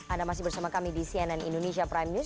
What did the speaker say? anda masih bersama kami di cnn indonesia prime news